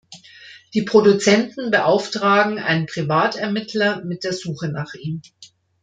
Die Produzenten beauftragen einen Privatermittler mit der Suche nach ihm.